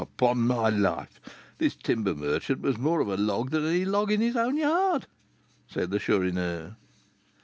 '" "Upon my life, this timber merchant was more of a log than any log in his own yard," said the Chourineur.